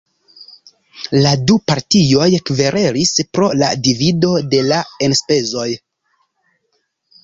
La du partioj kverelis pro la divido de la enspezoj.